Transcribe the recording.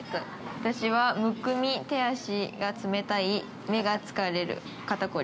◆私はむくみ、手足が冷たい、目が疲れる、肩凝り。